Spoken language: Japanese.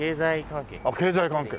経済関係。